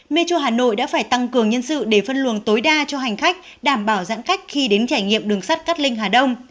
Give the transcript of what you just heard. metro hà nội đã phải tăng cường nhân sự để phân luồng tối đa cho hành khách đảm bảo giãn cách khi đến trải nghiệm đường sắt cát linh hà đông